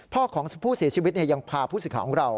พ่อของผู้เสียชีวิตยังพาผู้ศิษยาของเรา